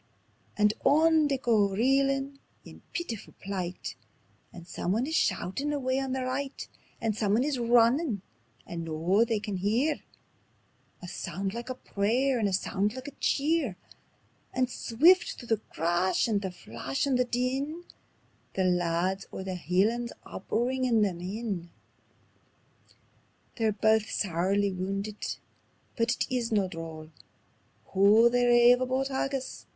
And on they go reelin' in peetifu' plight, And someone is shoutin' away on their right; And someone is runnin', and noo they can hear A sound like a prayer and a sound like a cheer; And swift through the crash and the flash and the din, The lads o' the Hielands are bringin' them in. "They're baith sairly woundit, but is it no droll Hoo they rave aboot haggis?"